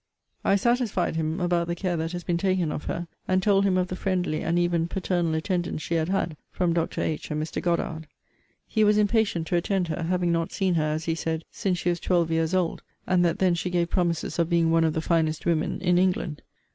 I satisfied him about the care that had been taken of her, and told him of the friendly and even paternal attendance she had had from Dr. H. and Mr. Goddard. He was impatient to attend her, having not seen her, as he said, since she was twelve years old; and that then she gave promises of being one of the finest women in England.